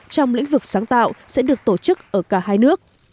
trong lĩnh vực sáng tạo sẽ được tổ chức ở cả hai nước